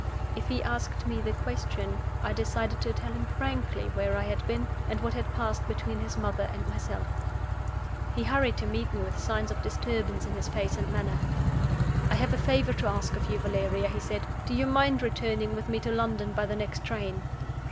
If he asked me the question, I decided to tell him frankly where I had been, and what had passed between his mother and myself. He hurried to meet me with signs of disturbance in his face and manner. "I have a favor to ask of you, Valeria," he said. "Do you mind returning with me to London by the next train?"